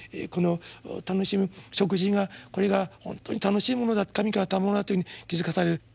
この楽しみ食事がこれが本当に楽しいものだった神からの賜物だというふうに気付かされる。